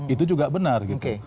itu juga benar gitu